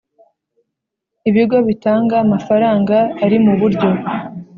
Ibigo bitanga amafaranga ari mu buryo